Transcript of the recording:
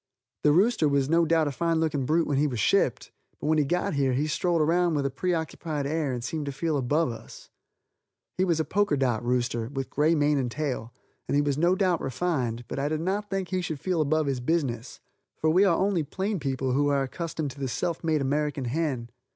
The rooster was no doubt a fine looking brute when he was shipped, but when he got here he strolled around with a preoccupied air and seemed to feel above us. He was a poker dot rooster, with gray mane and tail, and he was no doubt refined, but I did not think he should feel above his business, for we are only plain people who are accustomed to the self made American hen.